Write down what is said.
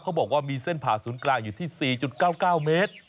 บอกว่ามีเส้นผ่าศูนย์กลางอยู่ที่๔๙๙เมตร